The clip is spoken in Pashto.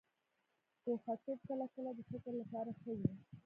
ګوښه توب کله کله د فکر لپاره ښه وي.